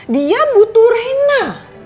dia butuh rena